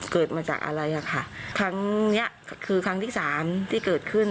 เกิดมาจากอะไรอ่ะค่ะครั้งเนี้ยคือครั้งที่สามที่เกิดขึ้น